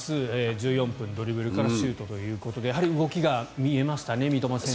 １４分、ドリブルからシュートということでやはり動きが見えましたね